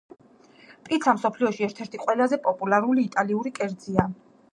პიცა მსოფლიოში ერთ-ერთი ყველაზე პოპულარული იტალიური კერძია